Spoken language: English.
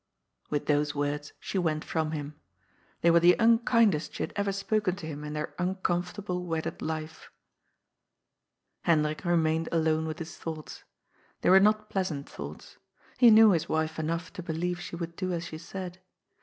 With those words she went from him. They were the unkindest she had ever spoken to him in their ^' uncomfort able " wedded life. Hendrik remained alone with his thoughts. They were not pleasant thoughts. He knew his wife enough to be lieve she would do as she said.